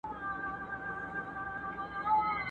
o خيال گړي گړي، په تېره بيا د بد رنگ سړي.